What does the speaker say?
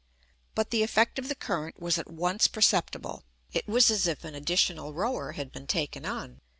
But the effect of the current was at once perceptible. It was as if an additional rower had been taken on.